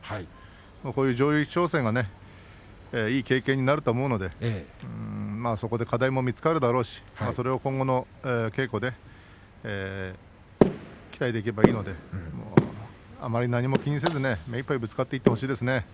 こういう上位挑戦はいい経験になると思うのでそこで課題も見つかるだろうしそれを今後の稽古で鍛えていけばいいのであまり何も気にせず目いっぱいぶつかっていってほしいですね。